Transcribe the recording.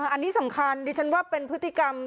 อันนี้สำคัญดิฉันว่าเป็นพฤติกรรม